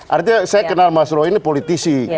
artinya saya kenal mas roy ini politisi